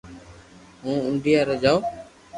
ھون انڌيا جاو